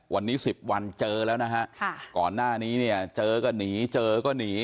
วันนี้๑๐วันเจอแล้วนะฮะก่อนหน้านี้เนี่ยเจอก็หนีเจอก็หนี